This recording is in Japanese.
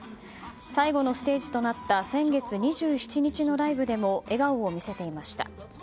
最後のステージとなった先月２７日のライブでも笑顔を見せていました。